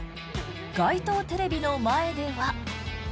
街頭テレビの前では。